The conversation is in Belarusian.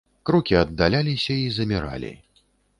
Крокі аддаляліся і заміралі.